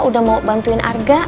udah mau bantuin harga